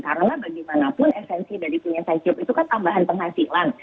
karena bagaimanapun esensi dari punya side job itu kan tambahan penghasilan